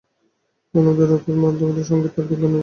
উদার অথচ নির্মোহ বদ্যান্যতায়, সংগীত আর বিজ্ঞানের ভেতর দিয়ে।